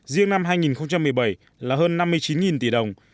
riêng năm hai nghìn một mươi bảy là hơn năm mươi chín tỷ đồng